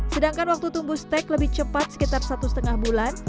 sedangkan waktu tumbuh stek lebih cepat sekitar satu lima bulan